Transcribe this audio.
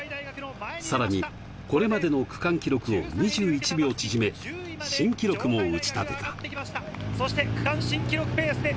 さらに、これまでの区間記録を２１秒縮め、新記録も打ち立てた。